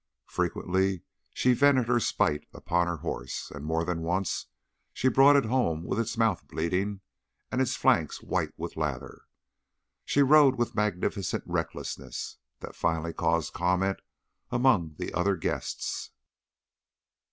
Frequently she vented her spite upon her horse, and more than once she brought it home with its mouth bleeding and its flanks white with lather. She rode with a magnificent recklessness that finally caused comment among the other guests.